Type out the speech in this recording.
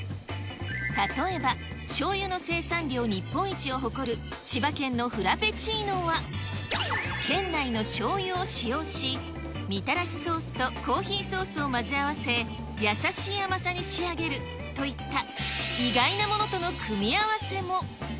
例えば、しょうゆの生産量日本一を誇る、千葉県のフラペチーノは、県内のしょうゆを使用し、みたらしソースとコーヒーソースを混ぜ合わせ、優しい甘さに仕上げるといった、意外なものとの組み合わせも。